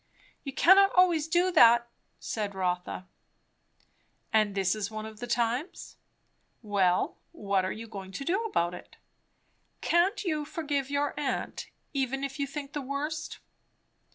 "You cannot always do that," said Rotha. "And this is one of the times? Well, what are you going to do about it? Can't you forgive your aunt, even if you think the worst?"